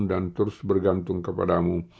dan terus bergantung kepadamu